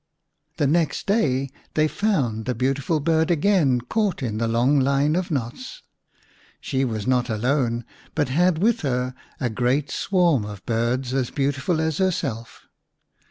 The next day they found the beautiful bird again caught in the long line of knots. She was not alone, but had with her a great swarm of 45 The Rabbit Prince v birds as beautiful as herself.